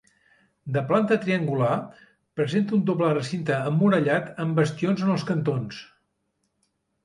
De planta triangular, presenta un doble recinte emmurallat amb bastions en els cantons.